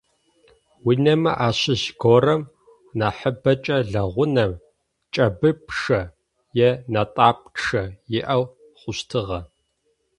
Унэмэ ащыщ горэм, нахьыбэмкӏэ лэгъунэм, кӏыбыпчъэ е нэтӏапчъэ иӏэу хъущтыгъэ.